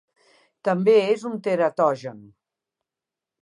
També és un teratogen.